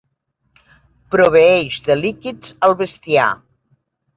Proveeix de líquids el bestiar.